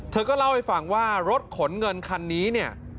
เธอก็เล่าให้ฟังว่ารถขนเงินคันนี้เนี่ย